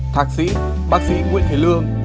thạc sĩ bác sĩ nguyễn thế lương